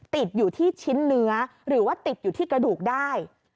ติดอยู่ที่ชิ้นเนื้อหรือว่าติดอยู่ที่กระดูกได้